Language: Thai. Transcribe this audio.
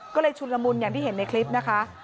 ก็เลยชุนละมุนอย่างที่เห็นในคลิปนะคะ